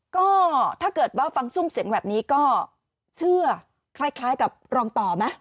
ก็ถ้าเกิดว่าฟังซุ่มเสียงแบบนี้ก็เชื่อคล้ายกับรองต่อไหม